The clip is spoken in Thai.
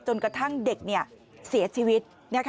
จนกระทั่งเด็กเสียชีวิต